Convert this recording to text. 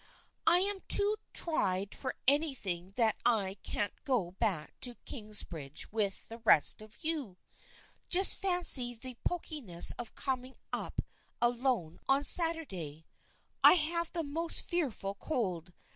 I am too tried for anything that I can't go back to Kings bridge with the rest of you. Just fancy the poki ness of coming up alone on Saturday. I have the most fearful cold.